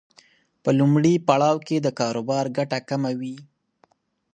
په لومړي پړاو کې د کاروبار ګټه کمه وي.